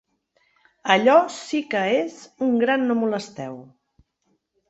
Allò sí que és un gran no molesteu.